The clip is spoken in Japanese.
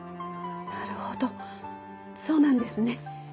なるほどそうなんですね。